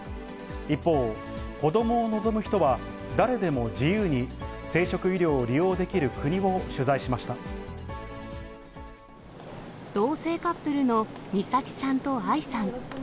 一方、子どもを望む人は誰でも自由に生殖医療を利用できる国を取材しま同性カップルのみさきさんとあいさん。